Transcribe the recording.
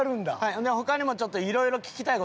ほんで他にもちょっといろいろ聞きたい事あるんで。